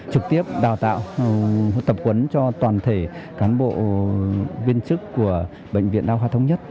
trực tiếp đào tạo tập huấn cho toàn thể cán bộ viên chức của bệnh viện đa khoa thống nhất